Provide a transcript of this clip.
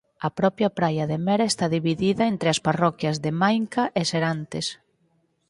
A propia praia de Mera está dividida entre as parroquias de Maianca e Serantes.